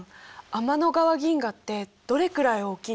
天の川銀河ってどれくらい大きいの？